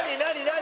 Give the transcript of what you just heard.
何？